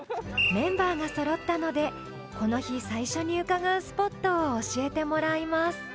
メンバーがそろったのでこの日最初に伺うスポットを教えてもらいます